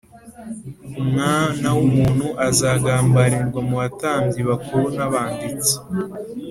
Umwana w’umuntu azagambanirwa mu batambyi bakuru n’abanditsi